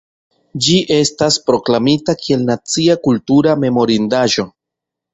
Ĝi estas proklamita kiel Nacia kultura memorindaĵo.